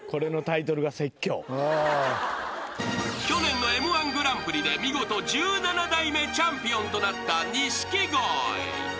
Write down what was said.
［去年のＭ−１グランプリで見事１７代目チャンピオンとなった］